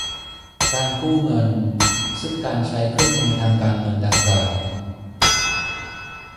การกู้เงินซึ่งการใช้เครื่องมือทางการเงินดังกล่าว